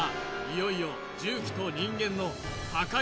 いよいよ重機と人間の破壊